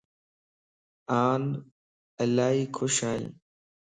آن الائي خوش ائين